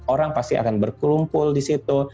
orang pasti akan berkumpul di situ